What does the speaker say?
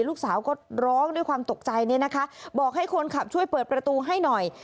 ลูกสาวก็ร้องด้วยความตกใจเนี่ยนะคะบอกให้คนขับช่วยเปิดประตูให้หน่อย